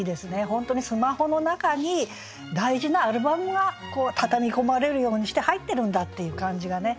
本当にスマホの中に大事なアルバムがたたみ込まれるようにして入ってるんだっていう感じがね。